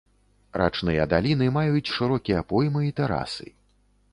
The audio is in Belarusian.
Рачныя даліны маюць шырокія поймы і тэрасы.